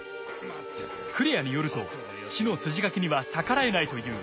クレアによると死の筋書きには逆らえないという。